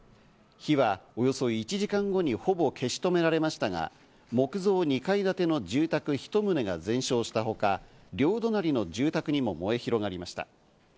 火はおよそ１時間後にほぼ消し止められましたが、木造２階建ての住宅１棟が全焼したほか、両隣の住宅にも燃え広がりました。